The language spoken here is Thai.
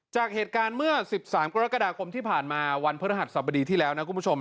จากเหตุการณ์เมื่อ๑๓กรกฎาคมที่ผ่านมาวันพฤหัสสบดีที่แล้วนะคุณผู้ชม